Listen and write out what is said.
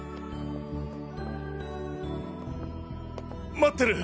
待ってる！